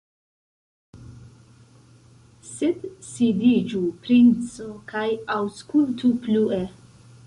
Sed sidiĝu, princo, kaj aŭskultu plue!